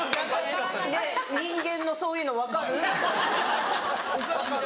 人間のそういうの分かる？みたいな。